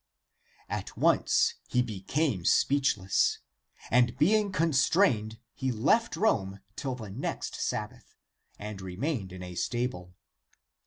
At once he became speechless, and being con strained he left Rome till the next Sabbath and re mained in a stable.